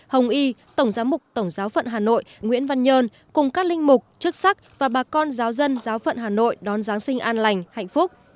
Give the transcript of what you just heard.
hồng y tổng giám mục tổng giáo phận hà nội nguyễn văn nhơn cùng các linh mục chức sắc và bà con giáo dân giáo phận hà nội đón giáng sinh an lành hạnh phúc